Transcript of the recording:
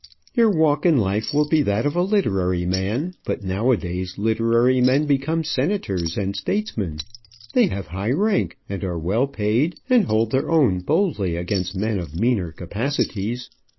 Your walk in life will be that of a literary man: but nowadays literary men become senators and statesmen. They have high rank, are well paid, and hold their own boldly against men of meaner capacities.